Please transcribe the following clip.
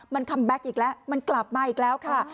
มันกลับมาอีกแล้วค่ะ